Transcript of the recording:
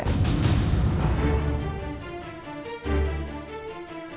anak kamu juga